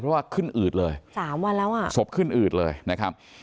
เพราะว่าขึ้นอืดเลยสามวันแล้วอ่ะศพขึ้นอืดเลยนะครับ